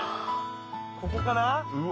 ここかな